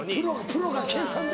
プロが計算で。